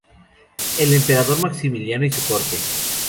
El emperador Maximiliano y su corte.